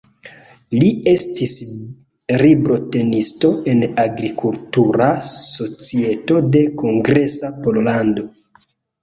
Li estis librotenisto en Agrikultura Societo de Kongresa Pollando.